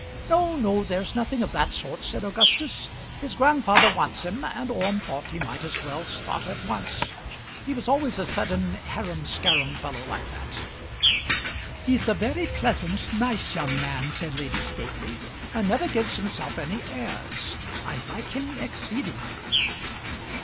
"No, no; there is nothing of that sort," said Augustus. "His grandfather wants him, and Orme thought he might as well start at once. He was always a sudden harum scarum fellow like that." "He's a very pleasant, nice young man," said Lady Staveley; "and never gives himself any airs. I like him exceedingly."